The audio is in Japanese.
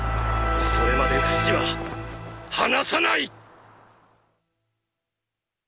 それまでフシは離さない！